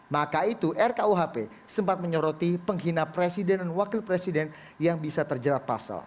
maka itu rkuhp sempat menyoroti penghina presiden dan wakil presiden yang bisa terjerat pasal